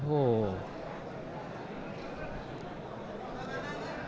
โอ้โห